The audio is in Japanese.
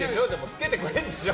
つけてくれるんでしょ？